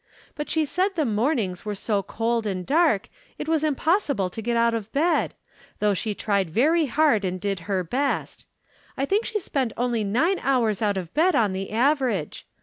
But she said the mornings were so cold and dark it was impossible to get out of bed, though she tried very hard and did her best. I think she spent only nine hours out of bed on the average.